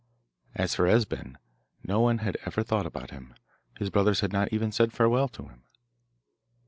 As for Esben, no one had ever thought about him; his brothers had not even said farewell to him.